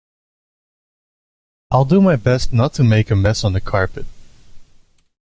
I'll do my best not to make a mess on the carpet.